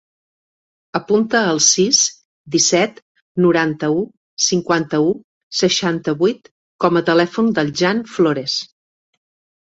Apunta el sis, disset, noranta-u, cinquanta-u, seixanta-vuit com a telèfon del Jan Flores.